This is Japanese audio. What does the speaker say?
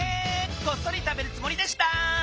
こっそり食べるつもりでした。